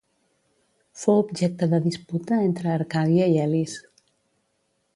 Fou objecte de disputa entre Arcàdia i Elis.